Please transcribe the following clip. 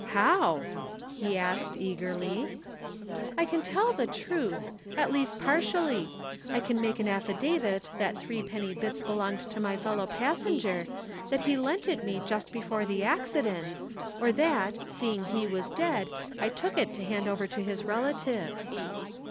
"'How?' he asked eagerly. "'I can tell the truth at least partially. I can make an affidavit that Threepenny Bits belonged to my fellow passenger, that he lent it me just before the accident, or that, seeing he was dead, I took it to hand over to his relatives.'